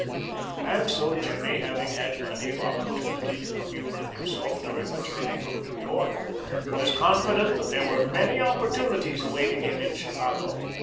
And so Jimmy, having had plenty of opportunity to commune with himself during the journey from New York, was confident that there were many opportunities awaiting him in Chicago.